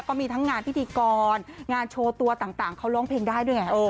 ก็มีทั้งงานพิธีกรงานโชว์ตัวต่างเขาร้องเพลงได้ด้วยไง